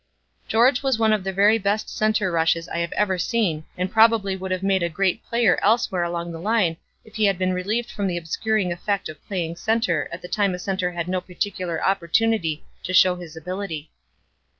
"George was one of the very best center rushes I have ever seen and probably would have made a great player elsewhere along the line if he had been relieved from the obscuring effect of playing center at the time a center had no particular opportunity to show his ability.